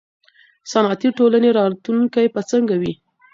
صنعتي ټولنې راتلونکی به څنګه وي.